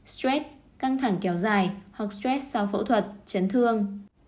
stress căng thẳng kéo dài hoặc stress sau phẫu thuật chấn thương